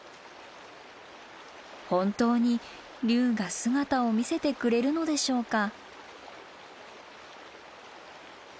本当に竜が姿を見せてくれるのでしょうか？